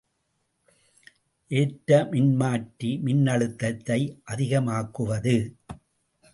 ஏற்ற மின்மாற்றி மின்னழுத்தத்தை அதிகமாக்குவது.